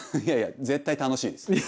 いやいや絶対楽しいです。